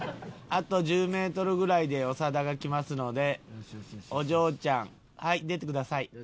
あと１０メートルぐらいで長田が来ますのでお嬢ちゃんはい出てください。